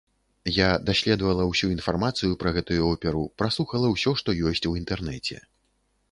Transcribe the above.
Я даследавала ўсю інфармацыю пра гэтую оперу, праслухала ўсё, што ёсць у інтэрнэце.